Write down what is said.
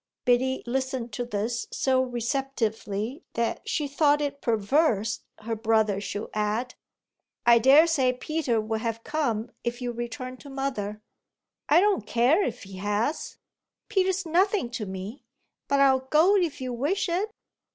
Biddy listened to this so receptively that she thought it perverse her brother should add: "I daresay Peter will have come if you return to mother." "I don't care if he has. Peter's nothing to me. But I'll go if you wish it."